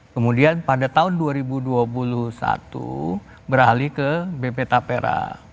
kemudian pada tahun dua ribu dua puluh satu beralih ke bp tapera